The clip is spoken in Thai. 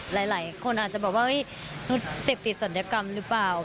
หลายคนอาจจะบอกว่านุษย์เสพติดศัลยกรรมหรือเปล่า